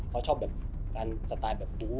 เขาชอบแบบการสไตล์แบบบู๊